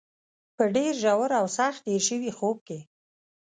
په ډېر ژور او سخت هېر شوي خوب کې.